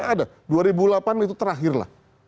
ada dua ribu delapan itu terakhirlah